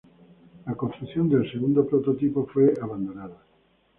La construcción del segundo prototipo fue abandonada.